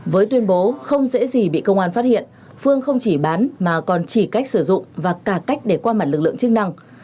với tuyên bố không dễ gì bị công an phát hiện phương không chỉ bán mà còn chỉ cách sử dụng và cả cách để qua mặt lực lượng chức năng